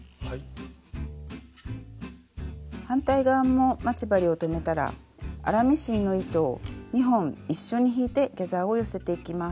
反対側も待ち針を留めたら粗ミシンの糸を２本一緒に引いてギャザーを寄せていきます。